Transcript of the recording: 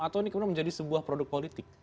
atau ini kemudian menjadi sebuah produk politik